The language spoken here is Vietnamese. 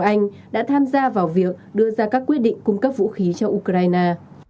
các nhà báo anh đã tham gia vào việc đưa ra các quyết định cung cấp vũ khí cho ukraine